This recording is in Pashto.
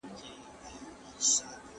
منډېلا غوښتل چې په ښار کې لږ قدم ووهي.